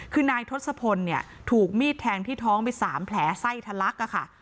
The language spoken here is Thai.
คือนายทศพลถูกมีดแทงที่ท้องไปสามแผลใส่ทะลักค่ะ